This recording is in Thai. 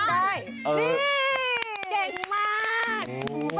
เก่งมาก